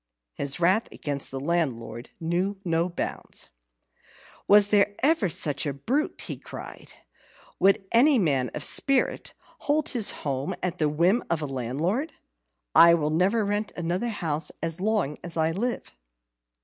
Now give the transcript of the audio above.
His wrath against the landlord knew no bounds. "Was there ever such a brute?" he cried. "Would any man of spirit hold his home at the whim of a landlord? I'll never rent another house as long as I live."